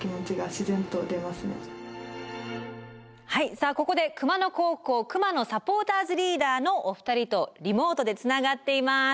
さあここで熊野高校Ｋｕｍａｎｏサポーターズリーダーのお二人とリモートでつながっています。